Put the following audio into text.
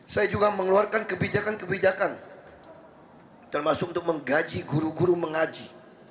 saya juga mengeluarkan kebijakan kebijakan termasuk untuk menggaji guru guru mengaji